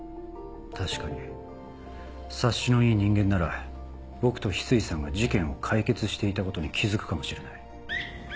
確かに察しのいい人間なら僕と翡翠さんが事件を解決していたことに気付くかもしれない。